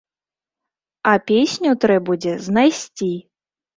А песню трэ будзе знайсці.